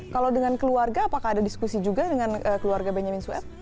kalau dengan keluarga apakah ada diskusi juga dengan keluarga benyamin sued